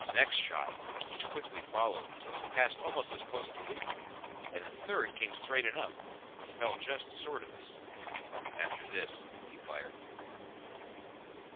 The next shot, which quickly followed, passed almost as close to leeward; and the third came straight enough, but fell just short of us. After this he fired no more.